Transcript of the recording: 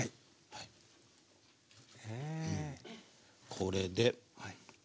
これで。